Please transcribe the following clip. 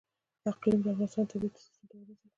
اقلیم د افغانستان د طبعي سیسټم توازن ساتي.